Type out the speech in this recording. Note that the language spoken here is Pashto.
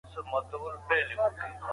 ارزښتونه کلتور جوړوي.